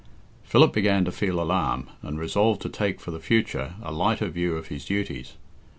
Philip began to feel alarm, and resolved to take for the future a lighter view of his duties.